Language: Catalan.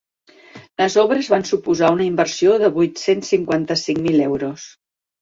Les obres van suposar una inversió de vuit-cents cinquanta-cinc mil euros.